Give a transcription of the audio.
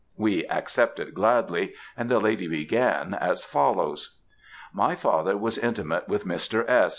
We accepted gladly, and the lady began as follows: "My father was intimate with Mr. S.